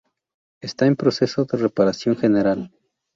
Está en proceso de reparación general.